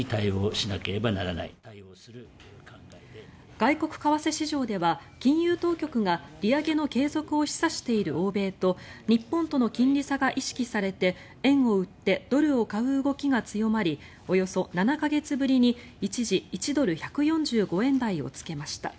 外国為替市場では金融当局が利上げの継続を示唆している欧米と日本との金利差が意識されて円を売ってドルを買う動きが強まりおよそ７か月ぶりに一時、１ドル＝１４５円台をつけました。